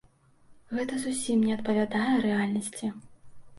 Гэта зусім не адпавядае рэальнасці.